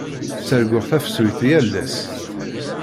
Ttarguɣ tafsut yal ass.